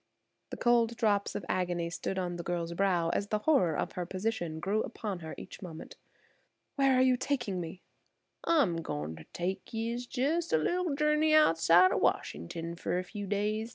The cold drops of agony stood on the girl's brow as the horror of her position grew upon her each moment. "Where are you taking me?" "I'm goin' ter take yer jes' a little journey outside o' Washington fer a few days.